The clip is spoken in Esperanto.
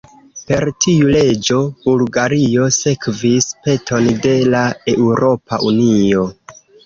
Per tiu leĝo Bulgario sekvis peton de la Eŭropa Unio.